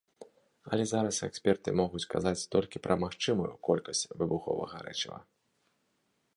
Але зараз эксперты могуць казаць толькі пра магчымую колькасць выбуховага рэчыва.